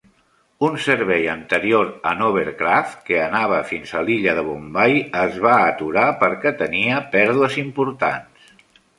Un servei anterior en hovercraft que anava fins a l'illa de Bombai es va aturar perquè tenia pèrdues importants.